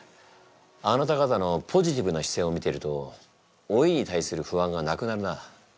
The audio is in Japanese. あなた方のポジティブな姿勢を見てると老いに対する不安がなくなるな。